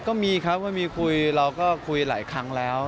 ก็มีครับก็มีคุยเราก็คุยหลายครั้งแล้ว